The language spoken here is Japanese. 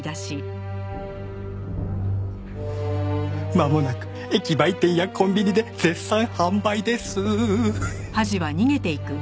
まもなく駅売店やコンビニで絶賛販売です！